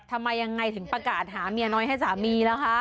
ทำไมยังไงถึงประกาศหาเมียน้อยให้สามีล่ะคะ